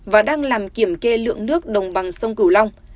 và đang làm kiểm kê lượng nước đồng bằng sông cửu long